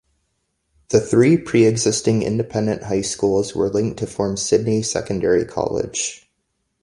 The three pre-existing independent high schools were linked to form Sydney Secondary College.